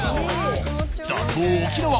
打倒沖縄。